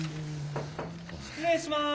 失礼します！